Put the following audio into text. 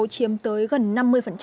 chiếm tới gần năm mươi